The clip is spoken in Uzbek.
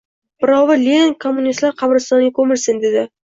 Birovi, Lenin kommunistlar qabristoniga ko‘milsin, dedi.